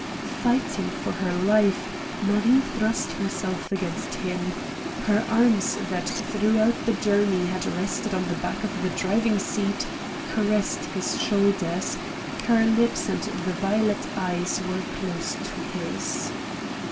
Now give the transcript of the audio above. Fighting for her life, Marie thrust herself against him; her arm that throughout the journey had rested on the back of the driving seat caressed his shoulders; her lips and the violet eyes were close to his.